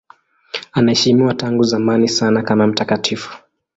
Anaheshimiwa tangu zamani sana kama mtakatifu.